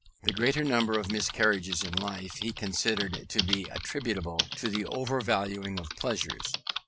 The greater number of miscarriages in life he considered to be attributable to the overvaluing of pleasures.